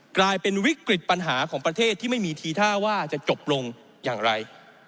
กลายเป็นวิกฤตปัญหาของประเทศที่ไม่มีทีท่าว่าจะจบลงอย่างไร